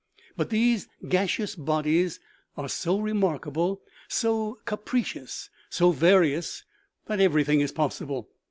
But these gaseous bodies are so remarkable, so capricious, so various, that everything is possible.